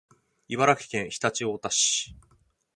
茨城県常陸太田市